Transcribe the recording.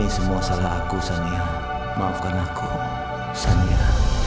semua salah aku sania maafkan aku sania